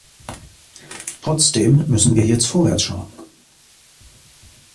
Trotzdem müssen wir jetzt vorwärts schauen.